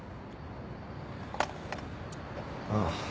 ああ。